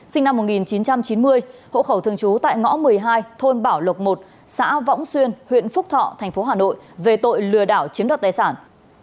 sinh năm một nghìn chín trăm chín mươi hộ khẩu thường trú tại ngõ một mươi hai thôn bảo lộc một xã võng xuyên huyện phúc thọ thành phố hà nội về tội lừa đảo chiếm đoạt tài sản